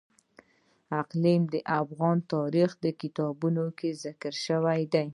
اقلیم د افغان تاریخ په کتابونو کې ذکر شوی دي.